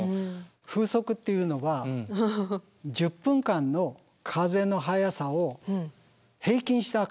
風速っていうのは１０分間の風の速さを平均した形なんですね。